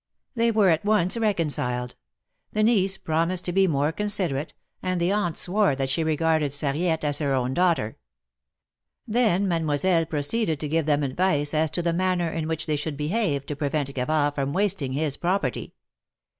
They were at once reconciled — the niece promised to be more considerate, and the aunt swore that she regarded Sarriette as her own daughter. Then Mademoiselle pro ceeded to give them advice as to the manner in which they should behave to prevent Gavard from wasting his prop erty.